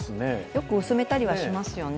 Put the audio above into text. よく薄めたりはしますよね。